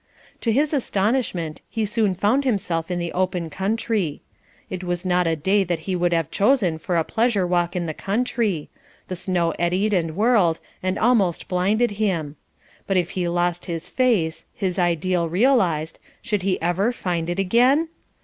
To his astonishment he soon found himself in the open country. It was not a day that he would have chosen for a pleasure walk in the country: the snow eddied and whirled, and almost blinded him; but if he lost his face, his ideal realised, should he ever find it again?